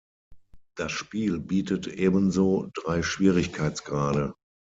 Das Spiel bietet ebenso drei Schwierigkeitsgrade.